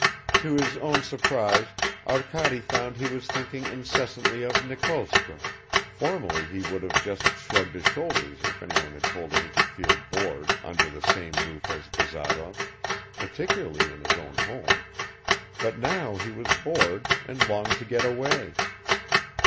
To his own surprise Arkady found he was thinking incessantly of Nikolskoe; formerly he would have just shrugged his shoulders if anyone had told him he could feel bored under the same roof as Bazarov particularly in his own home but now he was bored and longed to get away.